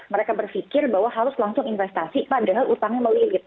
mereka berpikir bahwa harus langsung investasi padahal utangnya melilit